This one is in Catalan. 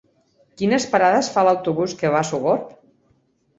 Quines parades fa l'autobús que va a Sogorb?